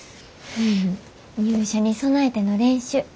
入社に備えての練習。